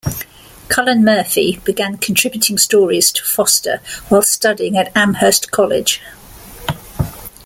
Cullen Murphy began contributing stories to Foster while studying at Amherst College.